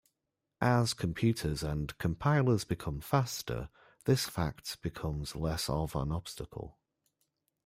As computers and compilers become faster, this fact becomes less of an obstacle.